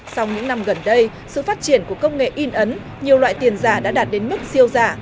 sau những năm gần đây sự phát triển của công nghệ in ấn nhiều loại tiền giả đã đạt đến mức siêu giả